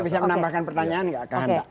saya bisa menambahkan pertanyaan gak ke anda